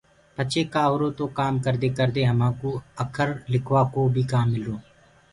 پڇي ڪآ هُرو تو ڪآم ڪردي ڪردي همانٚ ڪُو اکر لِکوآ ڪو بيِ ڪآم ملرو۔